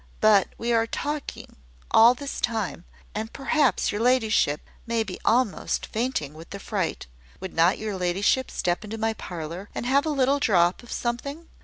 But we are talking all this time, and perhaps your ladyship may be almost fainting with the fright. Would not your ladyship step into my parlour, and have a little drop of something?